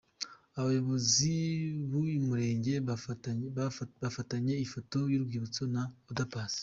Abayobozi b'uyu murenge bafatanye ifoto y'urwibutso na Oda Paccy.